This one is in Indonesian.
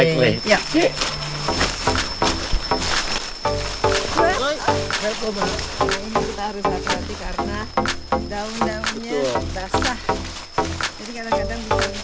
ini kita harus hati hati karena daun daunnya basah jadi kadang kadang